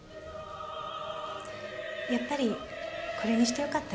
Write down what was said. やっぱりこれにしてよかったね。